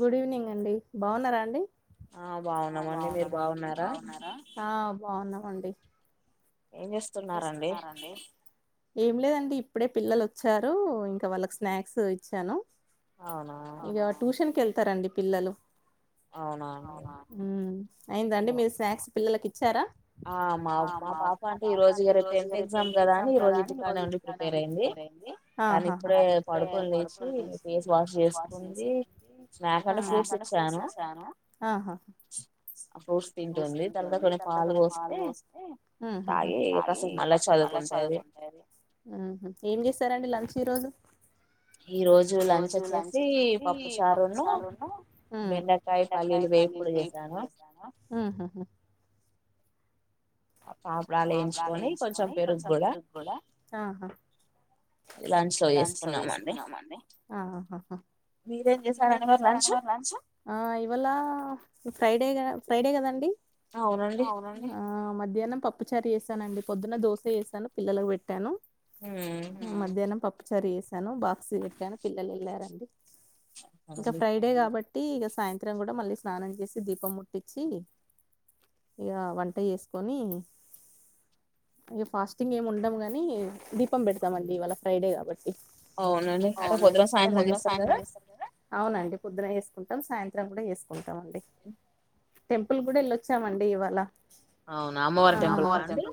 Good evening అండి బావున్నారా అండి ఆ బాగున్నామండి మీరు బాగున్నారా బాగున్నామండి ఏం లేదండి ఇప్పుడే పిల్లలు వ వాచ్చారు ఇంకా వాళ్ళకి స్నాక్స్ ఇచ్చాను అవున వత్తారండి పిల్లలు ఉ అయిందా అండి మీరు స్నాక్స్ పిల్లలకి ఆ మా మా పాప ఈ రోజు రేపు టెన్త్ ఎగ్జామ్ కదా అని ఈ రోజు ఇంటికాడే నుండి ప్రిపేర్ అయింది దాన్ని ఇప్పుడే పడుకొని లేచి ఫేస్ వాష్ చేసుకుంది స్నాక్ అంటే ఫ్రూట్స్ ఇచ్చాను ఆ ఫ్రూట్స్ తింటుంది తర్వాత కొన్ని పాలు పో పాలు పొస్తే ఉహూ ఏం చేసారండి లంచ్ ఈరోజు ఈ రోజు లంచ్ వచ్చేసి పప్పు చారును బెండకాయ పల్లీలు వేపుడు చేసాను పాపుడాలు వేయించుకొని కొంచెం పెరుగు కూడా లంచ్ లో వేసుకున్నామండి మీరేం చేసార లంచ్ ఫ్రైడే కదా ఫ్రైడే కదండి అవునండి ఆ మది పప్పుచారు చేసానండి పొద్దున్న దోస చేసాను పిల్లలకు పెట్టాను మ్మ్ పప్పు చారు చేసాను బాక్స్ కి పెట్టాను పిల్లలు వెళ్ళారండి ఇంకా ఫ్రైడే కాబట్ ట్టి ఇక సాయంత్రం కూడా మళ్ళీ స్నానం చేసి దీపం ముట్టిచ్చి ఇక వంట చేసి కోని ఫాస్టింగ్ ఏం ఉండను కానీ దీపం పెడతామండి ఇవాళ ఫ్రైడే కాబట్టి అవునండి పొద్దున వేసుకుంటాం సాయంత్రం కూడా వేసుకుంటం అండి టెంపుల్ కూడా వెళ్ళొచ్చామండి ఇవాళ అవునా అమ్మవారి టెంపుల్ కా అండి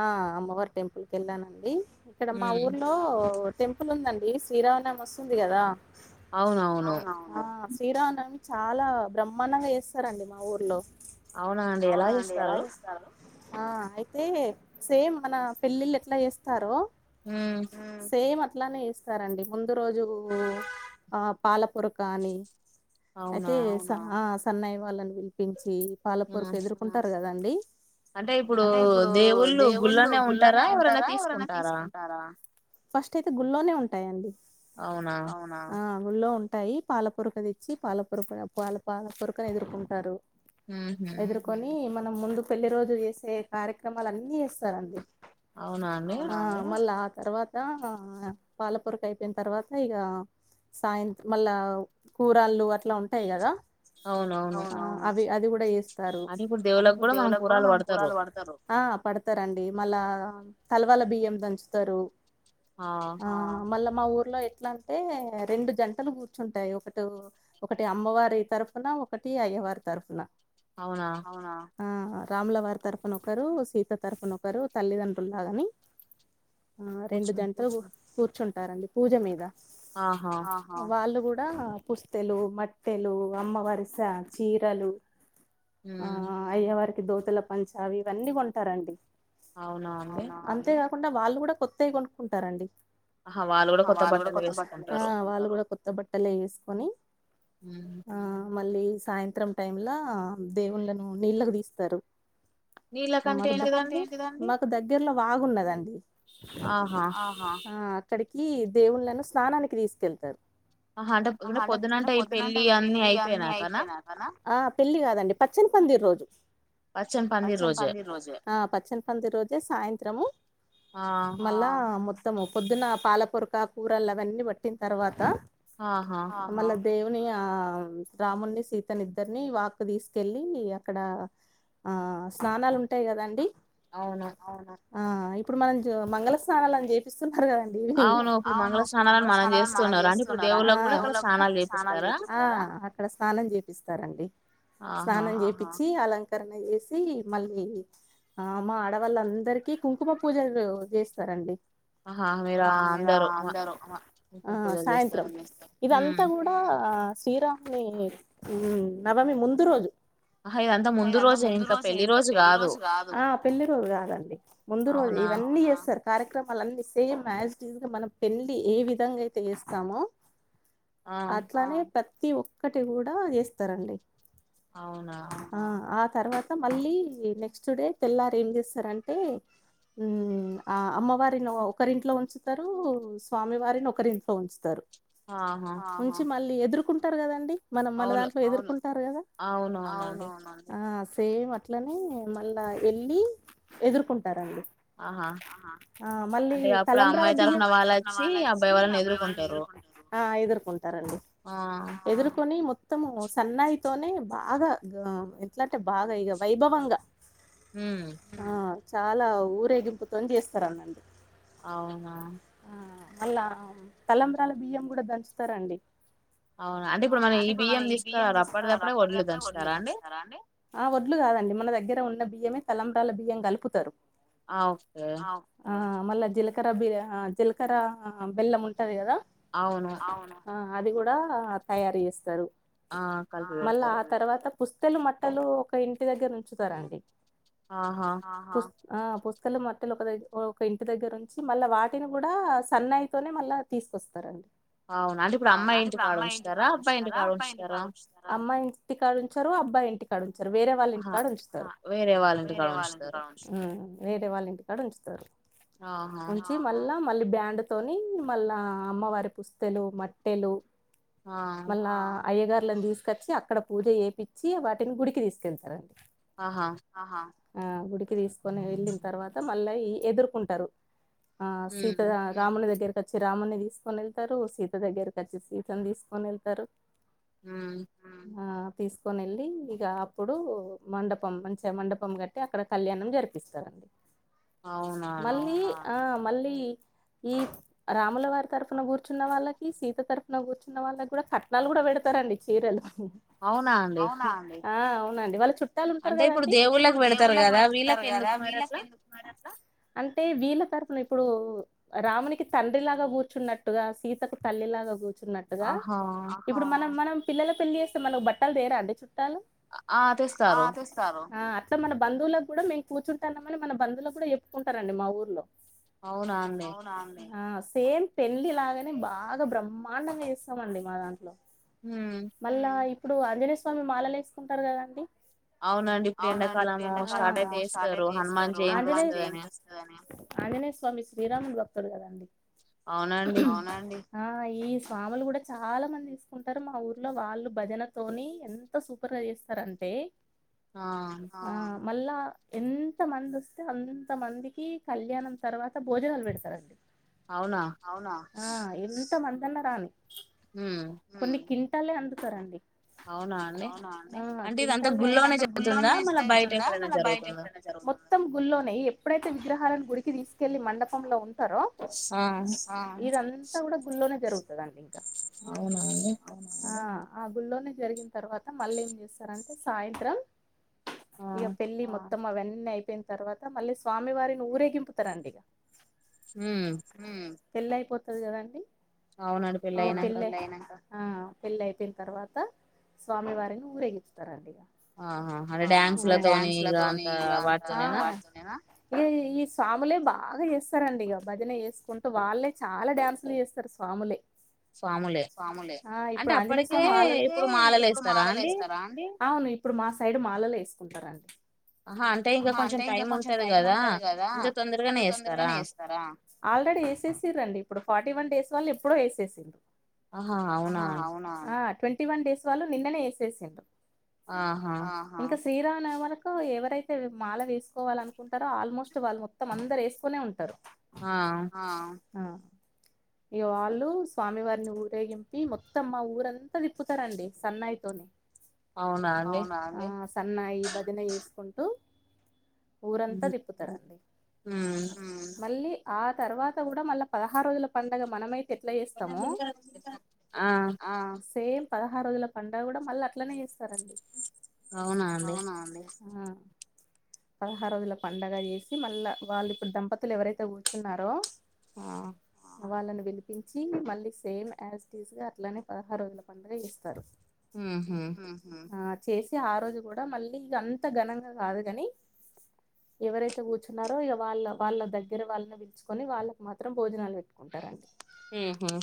ఆ అమ్మవారి టెంపుల్ కు వెళ్ళానండి ఇక్కడ మా ఊర్లో టెంపుల్ ఉందండి శ్రీరామనావమి వస్తుంది కదా అవున నవును శ్రీరామనవమి చాలా బ్రహ్మాండంగా చేస్తారండి మా ఊర్లో అవునా అండి ఎలా చేస్తారు ఆ అయితే సేమ్ మన పెళ్ళిళ్ళు ఎట్లా చేస్తారో హ్మ్ అట్లానే చేస్తారండి ముందు రోజు ఆ పాల పొర కానీ అయితే సాహాస్ సన్నయి వాళ్ళని పిలిపిం చ్చి పాలపూర్కు ఎదుర్కొంటారు కదండి అంటే ఇప్పుడు దేవుళ్ళు గుళ్ళనే ఉంటారా ఎవరైనా తీసుకుంటారా ఫస్ట్ అయితే గుళ్ళోనే ఉంటాయండి ఆ గుళ్ళోఉంటాయి పాల పురక తెచ్చి పాల పొరకు పాల పాల పొరకను ఎదుర్కుంటారు ఎదుర్కొని మ నముందు పెళ్లి రోజు చేసే కార్యక్రమాలు అన్నీ చేస్తారండి ఆ మళ్ళ ఆ తర్వాత్ ఇగ పాలపూరకు అయిపోయిన తర్వాత ఇక సాయంత్ర మళ్ళా కూరాళ్ళు అట్లా ఉంటాయి కదా. అవి అది కూడ్ ట ఏస్ తారు దేవుళ్లకు గూడా మనం కూరాలు వడుతరు ఆ పడతారండి మళ్ళా తలవాల బియ్యం దంచుతారు ఆ మళ్ళా మా ఊర్లో ఎట్లా అంటే రెండు జంటలు కూర్చుంటాయి ఒకటో ఒకటి అమ్మవారి తరఫున, ఒకటి అయ్యవారి తరఫున. అవునా ఆ రాములవారి తరుఫున ఒకరు, సీత తరుఫున ఒకరు తల్లిదండ్రుల్లాగాని ఆ రెండు జంటలు వో కూర్చుంటారండి పూజ మీద ఆహా లా పుస్తెలు మట్టెలు అమ్మవారు సా చీరలు హ్మ్ అయ్య వారికి దోతెలపంచా అవి ఇవన్నీ కొంటారండి అవునా అండి కాకుండా వాళ్ళు కూడా కొత్తయి కొనుక్కుంటారండి ఆహా వాళ్ళు కూడా కొత్త బట్టలు వేసుకుంటారు త్త బట్టలు వేసుకొని మ్ మళ్ళీ సాయంత్రం టైమ్ల దేవుళ్ళను నీళ్ళకి తీస్తారు నీళ్ళ కంటే ఏంటిదండి దగ్గిర్లో వాగున్నదండి ఆహా అక్కడికి దేవుళ్లను స్నానానికి తీసుకెళ్తారు ఆహ అంటే పొద్దునంటే అవి పెళ్ళి అన్ని అయిపోయినాకన ఆ పెళ్ళి కాదండి పచ్చని రోజు పచ్చని పంది రోజే సాయంత మళ్లా మొత్తము పొద్దున పాలపొరక కూరలు అవన్నీ పట్టిన తర్వాత ఆహా దేవుని ఆ రామున్ని సీతని ఇద్దరిని వాక్ తీసుకెళ్లి అక్కడ ఆ స్నానాలు ఉంటాయి కదండి అవును ఆ ఇప్పుడు మనం మంగళ స్నానాలని చేపిస్తున్నా రుకదండి అవును మంగళ స్నానాలని మనం చేస్తున్నాం కదా దేవుళ్లకు కూడా స్నానాలు అక్కడ స్నానం చేపిస్తారండి స్నానం చేపిచ్చి అలంక కరణ చేసి మళ్ళీ ఆ మా ఆడవాళ్ళ అందరికీ కుంకుమ పూజలు చేస్తారండి హ మీరా అందరు సాయంత్రం ఇదంతా కూడా ఆ శ్రీరాముని నవమి ముందు రోజు హ ఇదంతా ముందు రోజే ఇంక పెళ్లి రోజు కాదు పెళ్లి రోజు కాదండి ముందు రోజు ఇవన్నీ చేస్తరు కార్యక్రమాలన్ని సేమ్ యాజిటీజ్ గా మనం పెళ్లి ఏ విధంగా అయితే చేస్తామో అట్లానే ప ప్రతి ఒక్కటి కూడా చేస్తారండి అవునా తర్వాత మళ్ళీ నెక్స్ట్ డే తెల్లారి ఏం చేస్తారంటే ఆ అమ్మవారిని ఒకరింట్లో ఉంచుతారు స్వామివారిని ఒకరింట్లో ఉంచుతారు ఆ హ నుంచి మళ్ళీ ఎదుర్కొంటారు కదండి మనం మన దాంట్లో ఎదుర్కొంటారు కదా అవునవును ఆ సేమ్ అట్లనే మళ్ళా వెళ్ళి ఎదుర్కంటు తారండి ఆహ మళ్ళీ తలంబరాలు ది అమ్మయి తరపున వాళ్ళు అచ్చి అబ్బాయి వాళ్ళని ఎదు ఆ ఎదురుకుం టారండి ఎదుర్కొని మొ త్తము సన్నాయితోనే బాగా గా ఎట్లం టే బాగా ఇక వైభవంగా ఆ చాలా ఊరేగింపుతోని చేస్తారు అనండి అవునా అళ్ళా తలంబ్రాల బియ్యం కూడా దంచుతరండి. అవునా అంటే ఇప్పుడు మనం బియ్యం తీసుకరార అప్పటిదప్పుడే ఆ ఒడ్లు కాదండి మన దగ్గర ఉన్న బి య్యమే తలంబ్రాల బియ్యం కలుపుతరు. ఆ మళ్ళ జిల కర బె జీలకర బెల్లం ఉంటంది కదా ఆ అది కూడా తయారు చేస్తారు ఆ మళ్ళా ఆ తర్వాత పుస్తెలు మట్టలు ఒక ఇంటి దగ్గర ఉంచుతరండి. పుస్ ఆ పుస్ స్తలు మట్టలు ఒక దగ ఒక ఇంటి దగ్గర ఉంచీ మళ్ళీ వాటిని కూడా సన్నాయితోనే మళ్ళా తీసుకొస్తరండి. అవునా అంటే ఇప్పుడు అమ్మాయింటికి కాడ ఉంచుతరా, అబ్బాయి ఇంటి కాడ ఉంచుతరా? అమ్మాయి ఇంటికాడుంచారు, అబ్బాయి ఇంటికాడుం చరు వేరే వాళ్ళ ఇంటి కాడ ఉంచుతరు. వేరే వాళ్ళ ఇంటి కాడ ఉంచుతరు. ఉంచి మళ్ళా మళ్ళీ బ్యాండ్ తోని మళ్ళ అమ్మవారి పుస్తెలు, మట్టెలు ఆ అయ్యగార్లని తీస్ కొచ్చి అక్కడ పూజ చేపిచ్చి, వాటిని గుడికి తీసుకెళ్తరండి. ఆ హా ఆ గుడిక్ కి తీసుకొని వెళ్ళిన తర్వాత మళ్ళా ఈ ఎదురుకుంటరు ఆ సీతా రాముల దగ్గర కచ్చి రామున్ని తీసుకొని వెళ్తారు సీత దగ్గరకి వచ్చి సీతని తీసుకొని వెళ్తారు హ్మ్ ఆ తీసుకొని వెళ్ళి ఇక అప్పుడు మండపం మంచిగా మండపం కట్టి అక్కడ కళ్యాణం జరిపిస్తారండి మళ్ళీ ఆ మళ్ళీ ఈ రాముల వారి తరఫున కూర్చున్న వాళ్ళకి సీత తరఫున కూర్చున్న వాళ్ళకి కూడా కట్నాలు కూడా పెడతారండి చీరలు అవునా అండి ఆ అవునండ వాళ్ళ చుట్ట చుట్టాలు ఉంటారు కదండి అంటే ఇప్పుడు దేవుళ్ళకి పెడతారు కదా వీళ్ళకి ఎందుకున్నారు అస అంటే వీళ్ళ తరపున ఇప్పుడు రామునికి తండ్రిలాగా కూర్చున్నట్టుగా సీతకు తల్లిలాగా కూర్చు న్నట్టుగా ఇప్పుడు మనం మనం పిల్ల పెళ్లిస్తే మన బట్టల్ తేరా అండి ఆ చూస్తారు ఆ అట్లా మన బంధువులకు కూడా మేము కూర్చుంటున్నామని మన బంధువులు కూడా చెప్పుకుంటారండి మా ఊర్లో అవునా అండి ఆ సేమ్ పెళ్లి లాగానే బాగా బ్రహ్మాండంగా చేస్తామండి మా దాంట్లో మళ్ళా ఇ ఇప్పుడు ఆంజనేయ స్వామి మాలలేసుకుంటారు కదండి అవునండి ఇప్పుడు ఎండాకాలము స్టార్ట్ అయితే యేస్తారు హనుమాన్ జయంతి వస్తదని ఆంజనేయ స్వామి శ్రీరాముని భక్తుడు కదండి అవునండి ఆ ఈ స్వాములు కూడా చాలా మంది తీసుకుంటారు మా ఊర్లో వాళ్ళు భజనతోని ఎంత సూపర్గా చేస్తారంటే ఆ మళ్ళా ఎంత మంది వస్తే అంత మందికి కళ్యాణం తర్వాత భోజనాలు పెడతారండి అవునా ఎంత మంది అన్న రాని హ్మ్ కొన్ని కింటాలే అందుతారండి అవునా అండి అంటే ఇదంతా గుళ్లోనే మల్ల బయట మొత్తం గుల్లోనే ఎప్పుడైతే విగ్రహాలను గుడికి తీసుకెళ్లి మండపంలో ఉ ఇదంతా కూడా గుల్లోనే జరుగుతు వస్తుదండి ఇంకా అ ఆ ఆ గుళ్ళనే జరిగిన తర్వాత మళ్ళీ ఏం చేస్తారంటే సాయంత్రం ఇక పెళ్లి మొగ మద్దం అవన్నీ అయిపోయిన తర్వాత మళ్ళీ స్వామివారిని ఊరేగింపుతారంండి ఇక హ్మ్ పెళ్ళి అయిపోతుంది కదండి అవునాడు పెళ్ళ అయినాక ఆ పెళ్ళి అయిపోయిన తర్వాత స్వామివారిని ఊరేగిచ్చుతారంండి ఇ ఆహా అంటే డ్యాన్స్ లతోని ఇక అంత అ వాడుతోనేనా ఇ ఈ స్వాములే బాగా చేస్తారంండి ఇక బధిన చేసుకుంటూ వాళ్ళే చాలా డ్యాన్సులు చేస్తారు స్వాములే స్వాములే ఇప్పుడు ఆంజనేయ స్వామి మాలలు ఇప్పుడు మాలలు వేత్తరండి అవును ఇప్పుడు మా సైడ్ మాలలు వేసుకుంటారండి అంటే ఇంకా కొంచెం టైం ఉంటది కదా ఇంత తొందరగానే వేస్తారా ఆల్రెడీ వేసేసి రండి ఇప్పుడు ఫార్టీ వన్ డే వాళ్ళు ఎప్పుడో వేసేసిండడు హా అవునా ట్వంటీ వన్ డేస్ వాళ్ళు నిన్ననే వేసిండారు ఆహా శీరామ వరకు ఎవరైతే మాల వేసుకోవాలనుకుంటారో ఆల్మోస్ట్ వాళ్ళు మొత్తం అందరు వేసుకునే ఉంటారు ఆ ఆ ఈ వాళ్ళు స్వామివారిని ఊరేగింపి మొత్తమ్ మా ఊరంతా తిప్పుతారంండి సన్నయితోని అవునా సన్న ఈ బదిన ఇస్కుంట ట ఊరంతా తిప్పుతారంండి మళ్ళీ ఆ తర్వాత కూడా మళ్ళా పదహారు రోజుల పండగ మన వైప్ పూ ఎట్లా చేస్తాము పదహారు రోజుల పండగ కూడా మళ్ళీ అట్లనే చేస్తారండి అవునా అండి ఆ పదహారు రోజుల పడుగ చేసి మళ్ళా వాళ్ళు ఇప్పుడు దంపతులు ఎవరైతే కూర్చున్నారో ఆ వాళ్ళని విలిపించి మళ్ళీ సేమ్ యాజ్ టీజ గా అట్లానే పదహారు రోజుల పండుగ చేస్తారు [unintelligible] చేసి ఆ రోజు కూడా మళ్ళీ ఇక అంత ఘనంగా కాదు కాని ఎవరైతే కూర్చున్నారో ఇక వాళ్ళ వాళ్ళ దగ్గర వాళ్ళని పలుచుకొని వాళ్ళకు మాత్రం భోజనాలు పెట్ కుంటారండి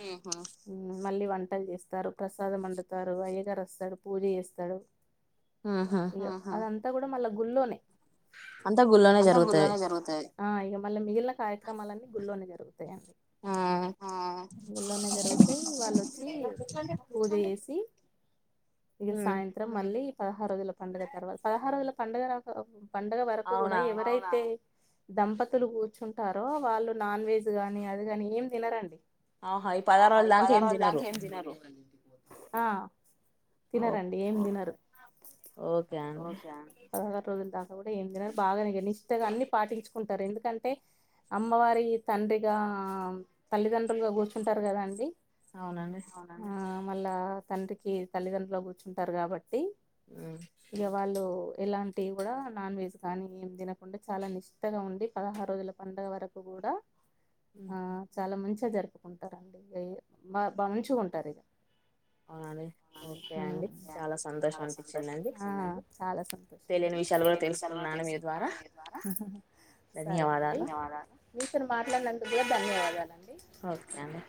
హ్మ్ హ మళ్ళీ వంటలు చేస్తారు ప్రసాదం వండుతారు అయ్యగారు వస్తాడు పూజ చేస్తాడు అదంన్ ఇంత కూడా మళ్ళ గుల్లోనే అంతా గుళ్లోనే జరుగుతాయి ఆ ఇగ మళ్ళ మిగిలిన కార్యక్రామాలు అన్ని గుళ్లోనే జరుగుతాయి అండి ఆ ఊళ్ళోనే నే జరుగుతాయి వాళ్ళొచ్చి పూజ చేసి ఇగ సాయంత్రం మళ్ళీ పదహారు రోజులు పండగ తర్వాత పండుగ వరకు కూడా ఎవరైతే దంపతులు కూర్చుంటారో వాళ్ళు నాన్ వెజ్ గాని అది అందుగాని ఏం తినరండి అహ ఇ పదాహరు రోజులు దాంక ఏం తినారు ఆ తినారండి ఏం తినరు ఓకే అండి పదహారు రోజులు దాంక కూడా ఏం తినరు బాగా నే నిష్టగా అన్ని పాటించుకుంటారు ఎందు కంటే అమ్మవారి తండ్రిగా తల్లిదండ్రులుగా కూర్చుంటారు కదాండి అవునండి మళ్ళ తండ్రికి తల్లిదండ్రులు కూర్చుంటారు కాబ ఇగ వాళ్ళు ఎలాంటివి కూడా నాన్ వెజ్ కానీ ఏం తినకుండా చాలా నిష్టగా ఉండి పదహారు రోజుల పండుగ వరకు కూడా ఆ చాలా మంచి జర్ చెప్పుకుంటారండి ఇ బ మంచిగుంటది ఓకే అండి చాలా సంతోషన్ని ఇచ్చింది తెలియని విషయాలు కూడా తెసుకున్నాను మీ ద్వారా మీతోన్ని మాట్లాడనందు ఇగ ధన్యవాదాలు అం ఓకే అండి